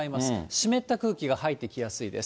湿った空気が入ってきやすいです。